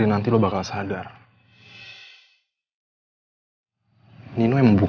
jangan lupa subscribe banana garden di tactic dadaku